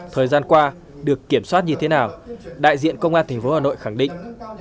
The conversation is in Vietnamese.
thời gian qua được kiểm soát như thế nào đại diện công an thành phố hà nội khẳng định